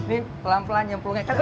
ini pelan pelan nyemplungnya